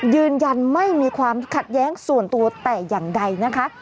ยืนยันไม่มีความขัดแย้งส่วนตัวแต่อย่างใดนะคะ